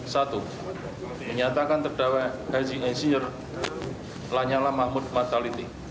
satu menyatakan terdakwa haji insinyur lanyala mahmud mataliti